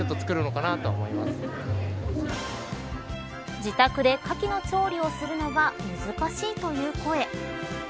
自宅でかきの調理をするのは難しいという声。